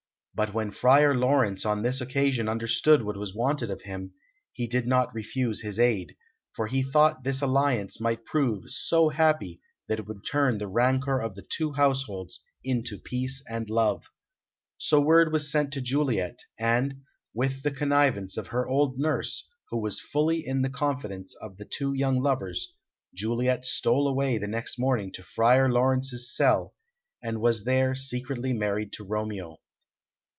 But when Friar Laurence on this occasion understood what was wanted of him, he did not refuse his aid, for he thought this alliance might prove so happy that it would turn the rancour of the two households into peace and love. So word was sent to Juliet, and, with the connivance of her old nurse, who was fully in the confidence of the two young lovers, Juliet stole away the next morning to Friar Laurence's cell, and was there secretly married to Romeo.